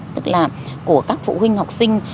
tức là của các phụ huynh học sinh